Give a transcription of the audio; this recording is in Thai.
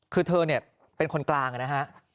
คือเธอเป็นคนกลางนะคะ